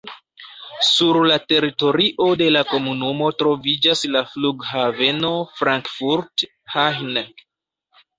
Sur la teritorio de la komunumo troviĝas la flughaveno Frankfurt-Hahn.